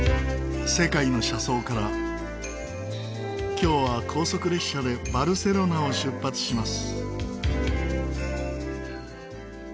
今日は高速列車でバルセロナを出発します。